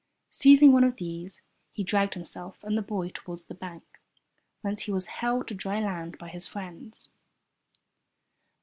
Seizing one of these, he dragged himself and the boy toward the bank, whence he was helped to dry land by his friends.